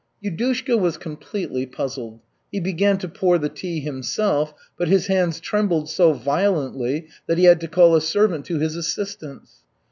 Yudushka was completely puzzled. He began to pour the tea himself, but his hands trembled so violently that he had to call a servant to his assistance.